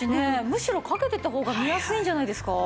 むしろかけてた方が見やすいんじゃないですか？